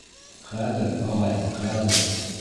— Хәҙер, ағай, хәҙер!